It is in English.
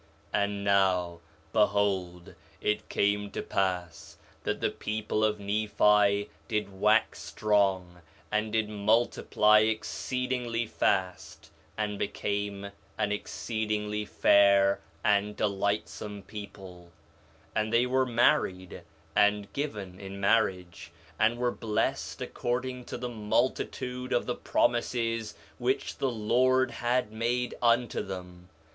4 Nephi 1:10 And now, behold, it came to pass that the people of Nephi did wax strong, and did multiply exceedingly fast, and became an exceedingly fair and delightsome people. 4 Nephi 1:11 And they were married, and given in marriage, and were blessed according to the multitude of the promises which the Lord had made unto them.